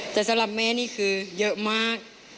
แต่สำหรับแม่นี่คือเยอะมาก